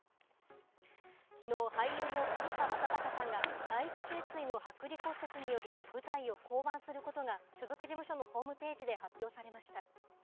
きのう俳優の窪田正孝さんが第一頸椎の剥離骨折により舞台を降板することが所属事務所のホームページで発表されました。